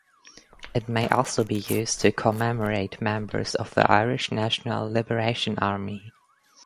It may also be used to commemorate members of the Irish National Liberation Army.